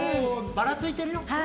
ばらついてるよ。